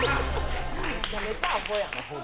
めちゃめちゃアホやん。